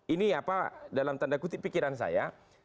ini apa dalam tanda kutip pikiran saya